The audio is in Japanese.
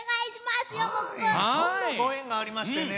ご縁がありましてね